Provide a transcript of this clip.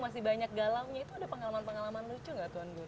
masih banyak galangnya itu ada pengalaman pengalaman lucu gak tuan guru